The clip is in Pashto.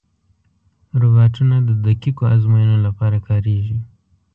روبوټونه د دقیقو ازموینو لپاره کارېږي.